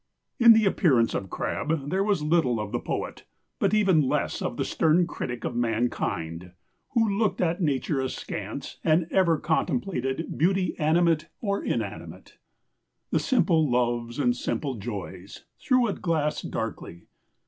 ] "In the appearance of Crabbe there was little of the poet, but even less of the stern critic of mankind, who looked at nature askance, and ever contemplated beauty animate or inanimate, 'The simple loves and simple joys,' 'through a glass darkly.